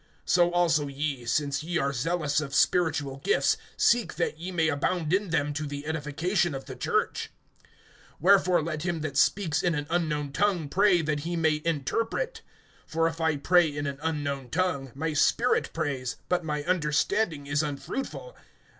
(12)So also ye, since ye are zealous of spiritual gifts, seek that ye may abound in them to the edification of the church. (13)Wherefore let him that speaks in an unknown tongue pray that he may interpret. (14)For if I pray in an unknown tongue, my spirit prays, but my understanding is unfruitful.